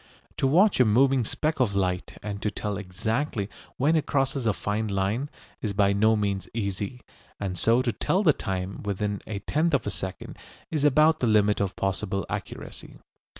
To watch a moving speck of light and to tell exactly when it crosses a fine line is by no means easy, and so to tell the time within a tenth of a second, is about the limit of possible accuracy.